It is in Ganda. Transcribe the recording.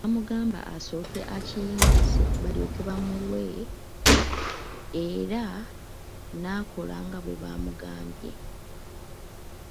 Baamugamba asooke akiyimbise balyoke bamuwe era n'akola nga bwe bamugambye.